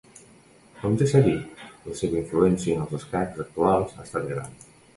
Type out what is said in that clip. Com ja s'ha dit, la seva influència en els escacs actuals ha estat gran.